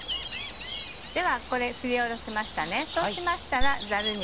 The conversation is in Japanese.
ではこれすりおろしましたね